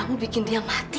kamu bikin dia mati